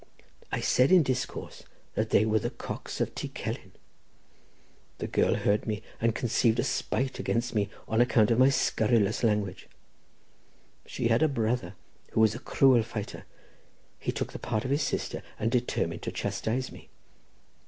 I said in discourse that they were the cocks of Ty Celyn. The girl heard me, and conceived a spite against me on account of my scurrilous language. She had a brother, who was a cruel fighter; he took the part of his sister, and determined to chastise me.